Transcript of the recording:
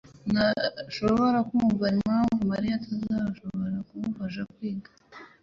ntashobora kumva impamvu Mariya atazemera kumufasha kwiga.